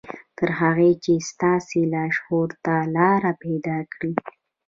تر هغو چې ستاسې لاشعور ته لاره پيدا کړي.